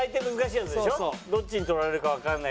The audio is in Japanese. どっちに取られるかわかんない。